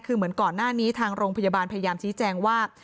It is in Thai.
คือเหมือนก่อนหน้านี้ทางโรงพยาบาลพยายามชี้แจงว่า